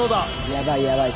やばいやばい。